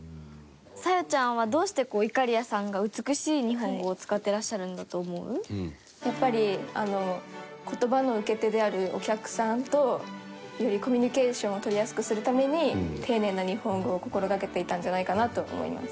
沙夜ちゃんはどうしていかりやさんがやっぱり言葉の受け手であるお客さんとよりコミュニケーションを取りやすくするために丁寧な日本語を心がけていたんじゃないかなと思います。